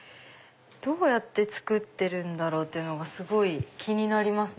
どうやって作ってるんだろうってすごい気になりますね。